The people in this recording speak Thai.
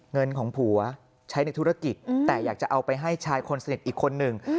เงินของผัวใช้ในธุรกิจแต่อยากจะเอาไปให้ชายคนสนิทอีกคนหนึ่ง